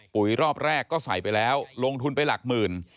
ปุ๋ยรอบแรกก็ใส่ไปแล้วลงทุนไปหลักหมื่น